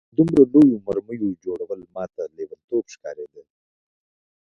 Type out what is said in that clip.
د دومره لویو مرمیو جوړول ماته لېونتوب ښکارېده